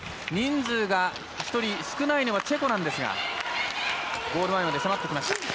人数が１人少ないのはチェコなんですがゴール前まで迫ってきました。